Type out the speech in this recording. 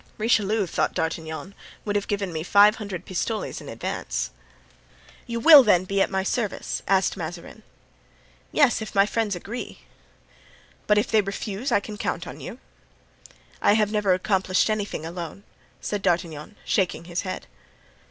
"Richelieu," thought D'Artagnan, "would have given me five hundred pistoles in advance." "You will then be at my service?" asked Mazarin. "Yes, if my friends agree." "But if they refuse can I count on you?" "I have never accomplished anything alone," said D'Artagnan, shaking his head.